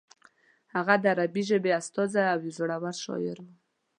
هغه د عربي ژبې استازی او یو زوړور شاعر و.